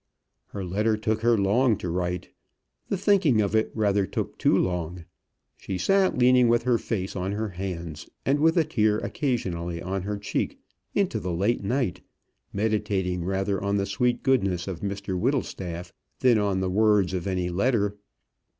Her letter took her long to write. The thinking of it rather took too long. She sat leaning with her face on her hands, and with a tear occasionally on her cheek, into the late night, meditating rather on the sweet goodness of Mr Whittlestaff than on the words of the letter.